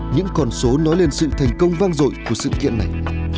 những con số nói lên sự thành công vang dội của sự kiện này